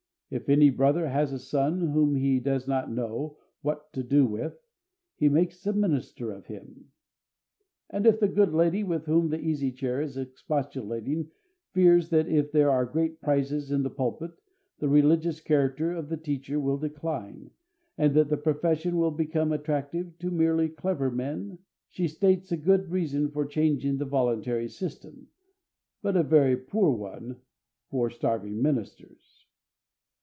If any brother has a son whom he does not know what to do with, he makes a minister of him." And if the good lady with whom the Easy Chair is expostulating fears that if there are great prizes in the pulpit the religious character of the teacher will decline, and that the profession will become attractive to merely clever men, she states a good reason for changing the voluntary system, but a very poor one for starving ministers.